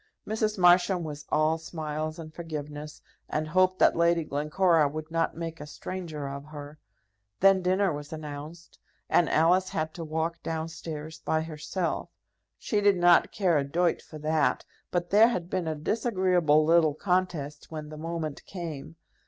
Mrs. Marsham was all smiles and forgiveness, and hoped that Lady Glencora would not make a stranger of her. Then dinner was announced, and Alice had to walk down stairs by herself. She did not care a doit for that, but there had been a disagreeable little contest when the moment came.